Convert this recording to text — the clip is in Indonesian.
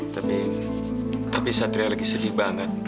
tapi tapi satria lagi sedih banget